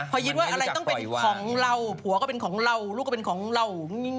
พอคิดว่าอะไรต้องเป็นของเราผัวก็เป็นของเราลูกก็เป็นของเรา